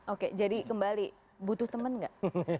oke jadi kembali butuh temen gak